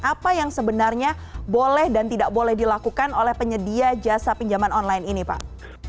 apa yang sebenarnya boleh dan tidak boleh dilakukan oleh penyedia jasa pinjaman online ini pak